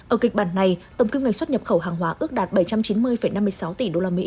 ở kịch bản này tổng kim ngạch xuất nhập khẩu hàng hóa ước đạt bảy trăm chín mươi năm mươi sáu tỷ usd